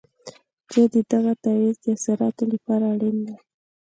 چې د دغه تعویض د اثراتو لپاره اړین دی.